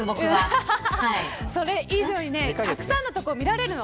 それ以上にたくさんのところ、見られるの。